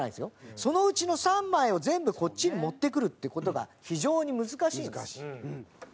そのうちの３枚を全部こっちに持ってくるって事が非常に難しいんです。